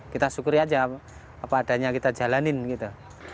kita syukuri aja apa adanya kita jalanin gitu